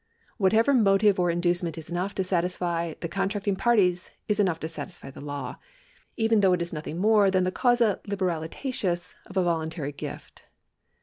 Whatever motive or inducement is enough to satisfy the contracting i)arties is enough to satisfy the law, even though it is nothing more than the causa liberalitatis of a voluntary gift.